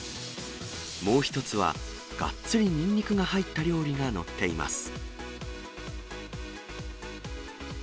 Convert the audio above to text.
もう１つはがっつりニンニクが入った料理が載っています。